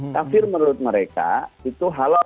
kafir menurut mereka itu halal